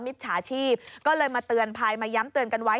จฉาชีพก็เลยมาเตือนภัยมาย้ำเตือนกันไว้